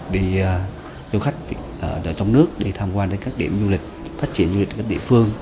du khách ở trong nước đi tham quan đến các điểm du lịch phát triển du lịch ở các địa phương